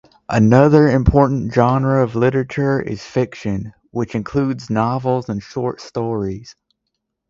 Another important genre of literature is fiction, which includes novels and short stories.